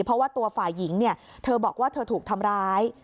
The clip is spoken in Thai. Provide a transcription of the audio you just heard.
เพราะว่าตัวฝ่ายหญิงเนี่ยเธอบอกว่าเธอถูกทำร้าย